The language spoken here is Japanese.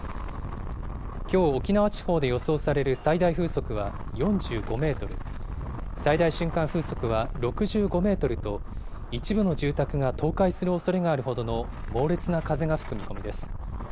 きょう、沖縄地方で予想される最大風速は４５メートル、最大瞬間風速は６５メートルと、一部の住宅が倒壊するおそれがあるほどの猛烈な風が吹く見込みです。